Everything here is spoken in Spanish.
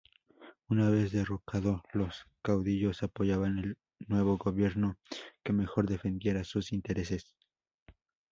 Una vez derrocado, los caudillos apoyaban al nuevo gobierno que mejor defendiera sus intereses.